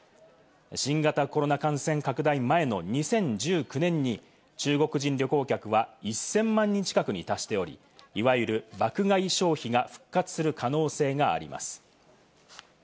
新型コロナ感染拡大前の２０１９年に中国人旅行客は１０００万人近くに達しており、いわゆる爆買い消費が復活する可能性があります。